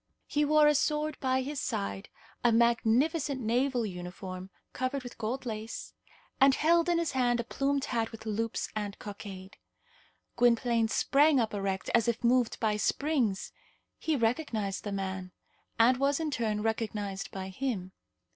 He wore a sword by his side, a magnificent naval uniform, covered with gold lace, and held in his hand a plumed hat with loops and cockade. Gwynplaine sprang up erect as if moved by springs. He recognized the man, and was, in turn, recognized by him.